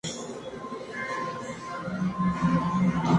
Otros puestos vendían comida.